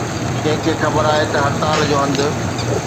ڪنهن کي خبر آهي ته هڙتال جو هنڌ